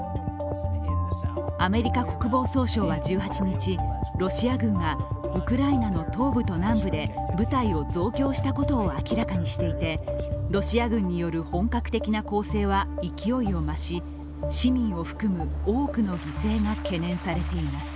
アメリカ国防総省は１８日ロシア軍がウクライナの東部と南部で部隊を増強したことを明らかにしていて、ロシア軍による本格的な攻勢は勢いを増し市民を含む多くの犠牲が懸念されています。